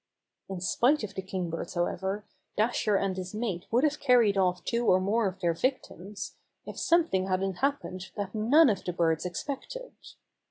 In spite of the Kingbirds, however, Dasher and his mate would have carried off two or more of their victims if something hadn't hap pened that none of the birds expected.